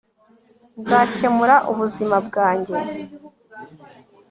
nzakemura ubuzima bwanjye